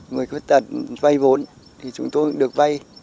người khuyết tật vây vốn thì chúng tôi cũng được vây